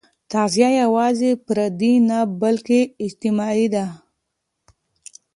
تغذیه یوازې فردي نه، بلکې اجتماعي ده.